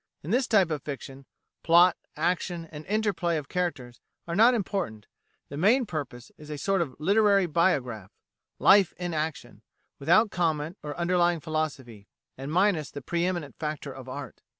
In this type of fiction, plot, action, and inter play of characters are not important: the main purpose is a sort of literary biograph; life in action, without comment or underlying philosophy, and minus the pre eminent factor of art.